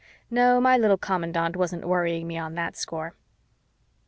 No, my little commandant wasn't worrying me on that score.